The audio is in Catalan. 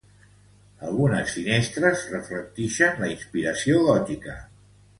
Algunes finestres reflectixen la inspiració gòtica.